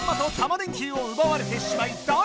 電Ｑをうばわれてしまい大ピンチ！